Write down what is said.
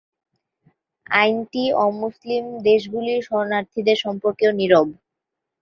আইনটি অমুসলিম দেশগুলির শরণার্থীদের সম্পর্কেও নীরব।